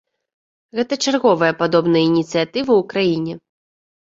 Гэта чарговая падобная ініцыятыва ў краіне.